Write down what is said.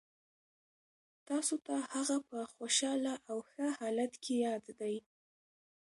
تاسو ته هغه په خوشحاله او ښه حالت کې یاد دی